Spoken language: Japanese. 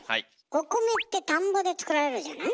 お米って田んぼで作られるじゃない？